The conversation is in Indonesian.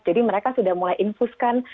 jadi mereka sudah mulai infuskan